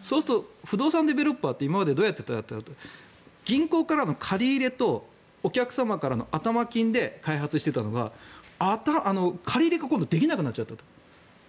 そうすると不動産デベロッパーって今までどうやってたかというと銀行からの借り入れとお客様からの頭金で開発していたのが借り入れが今度できなくなっちゃったと。